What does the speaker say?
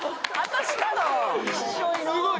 すごい。